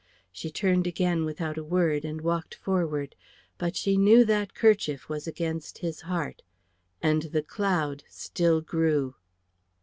She turned again without a word, and walked forward. But she knew that kerchief was against his heart, and the cloud still grew.